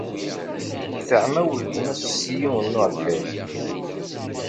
Teɛma weltma-s s yiwen n uɛekkaz.